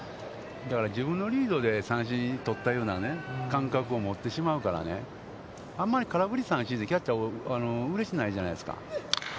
自分のリードで三振取ったような感覚を持ってしまうから、あんまり空振り三振ってキャッチャーうれしくないじゃないですか。